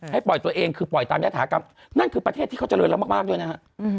ปล่อยตัวเองคือปล่อยตามยฐากรรมนั่นคือประเทศที่เขาเจริญแล้วมากด้วยนะฮะ